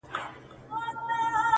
دا يې د ميــــني تـرانـــه ماته كــړه~